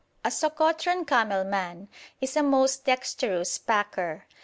A Sokotran camel man is a most dexterous packer.